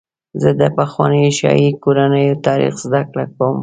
زه د پخوانیو شاهي کورنیو تاریخ زدهکړه کوم.